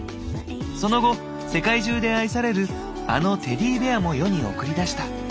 その後世界中で愛されるあのテディベアも世に送り出した。